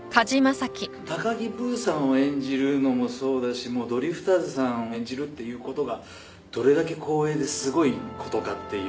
高木ブーさんを演じるのもそうだしドリフターズさんを演じるっていうことがどれだけ光栄ですごいことかっていう。